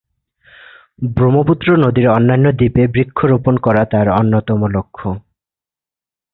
ব্রহ্মপুত্র নদীর অন্যান্য দ্বীপে বৃক্ষ রোপণ করা তার অন্যতম লক্ষ্য।